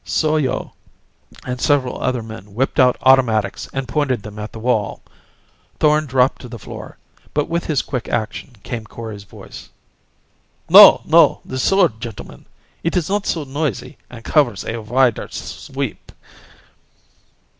Soyo and several other men whipped out automatics and pointed them at the wall. Thorn dropped to the floor. But with his quick action came Kori's voice. "No, no! The sword, gentlemen. It is not so noisy, and covers a wider sweep."